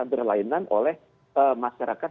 berlainan oleh masyarakat